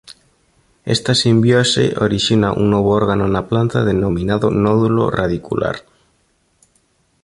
Esta simbiose orixina un novo órgano na planta denominado nódulo radicular.